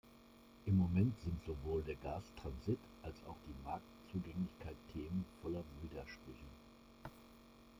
Im Moment sind sowohl der Gastransit als auch die Marktzugänglichkeit Themen voller Widersprüche.